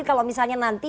jadi kalau misalnya nanti